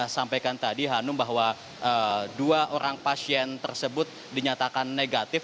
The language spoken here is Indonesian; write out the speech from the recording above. sampaikan tadi hanum bahwa dua orang pasien tersebut dinyatakan negatif